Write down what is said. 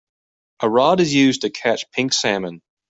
A rod is used to catch pink salmon.